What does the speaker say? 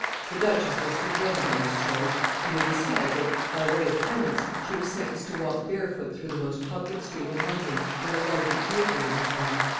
The duchess was condemned on this charge, and it is said that, by way of penance, she was sentenced to walk barefoot through the most public street in London with a lighted taper in her hand.